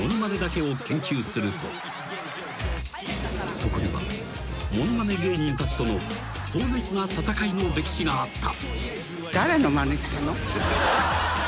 ［そこにはものまね芸人たちとの壮絶な戦いの歴史があった］